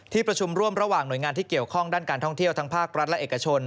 ประชุมร่วมระหว่างหน่วยงานที่เกี่ยวข้องด้านการท่องเที่ยวทั้งภาครัฐและเอกชน